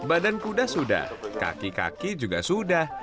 badan kuda sudah kaki kaki juga sudah